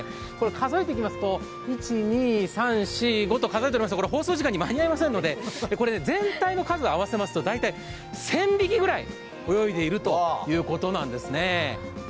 数えていきますと、１、２、３、４、５と数えていますと放送時間に間に合いませんので全体の数を合わせますと大体１０００匹ぐらい泳いでいるということなんですね。